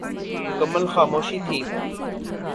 مکمل خاموشی تھی ۔